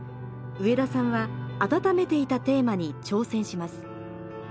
植田さんは温めていたテーマに挑戦します。